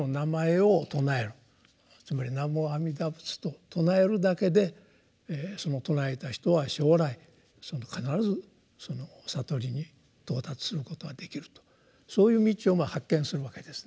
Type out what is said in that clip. つまり「南無阿弥陀仏」と称えるだけでその称えた人は将来必ずその悟りに到達することができるとそういう道を発見するわけですね。